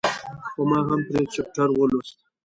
خو ما هم پرې چپټر ولوست.